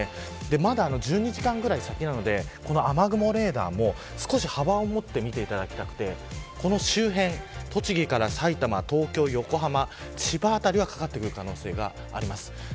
まだ１２時間くらい先なので雨雲レーダーも少し幅を持って、見て欲しくてこの周辺栃木から埼玉、東京、横浜千葉辺りは、かかってくる可能性があります。